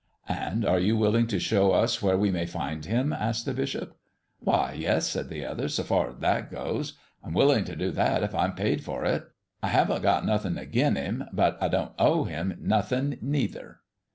"And are you willing to show us where we may find Him?" asked the bishop. "Why, yes," said the other; "so far as that goes, I'm willing to do that if I'm paid for it. I haven't got nothing agin Him, but I don't owe Him nothing, neither."